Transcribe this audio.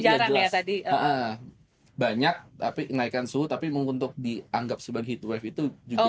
jarang ya tadi banyak tapi naikkan suhu tapi untuk dianggap sebagai heat wave itu juga jarang